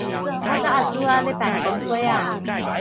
我佮阿珠仔咧扮公伙仔